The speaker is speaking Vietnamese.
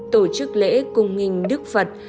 tổ chức lễ cung nghinh đức phật